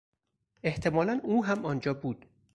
احتمالا او هم آنجا بود.